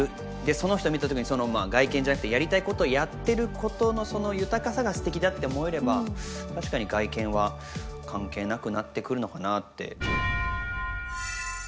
その人を見た時にその外見じゃなくてやりたいことをやってることのその豊かさがすてきだって思えれば確かに外見は関係なくなってくるのかなって。